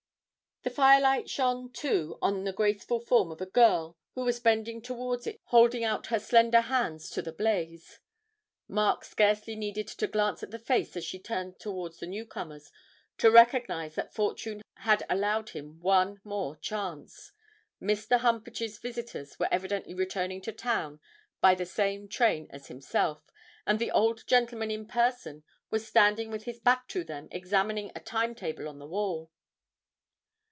The firelight shone, too, on the graceful form of a girl, who was bending towards it holding out her slender hands to the blaze. Mark scarcely needed to glance at the face she turned towards the newcomers to recognise that fortune had allowed him one more chance: Mr. Humpage's visitors were evidently returning to town by the same train as himself, and the old gentleman in person was standing with his back to them examining a time table on the wall.